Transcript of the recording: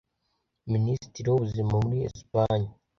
Minisitiri w’Ubuzima muri Espagne